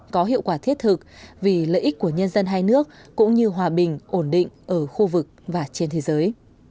có hiệu quả thiết thực vì lợi ích của nhân dân hai nước cũng như hòa bình ổn định ở khu vực và trên thế giới